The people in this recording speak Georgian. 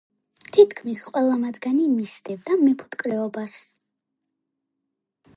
თითქმის ყველა მათგანი მისდევდა მეფუტკრეობას.